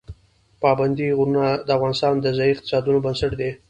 پابندی غرونه د افغانستان د ځایي اقتصادونو بنسټ دی.